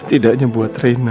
setidaknya buat reina